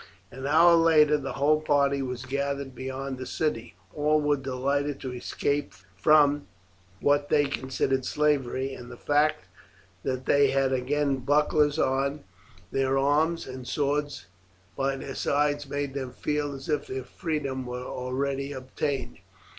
An hour later the whole party were gathered beyond the city. All were delighted to escape from what they considered slavery, and the fact that they had again bucklers on their arms and swords by their sides made them feel as if their freedom were already obtained.